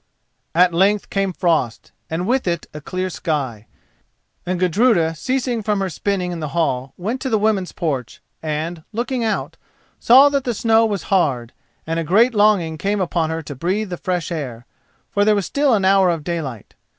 At length came frost, and with it a clear sky, and Gudruda, ceasing from her spinning in the hall, went to the woman's porch, and, looking out, saw that the snow was hard, and a great longing came upon her to breathe the fresh air, for there was still an hour of daylight.